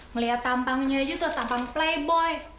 ngeliat tampangnya aja tuh tampang playboy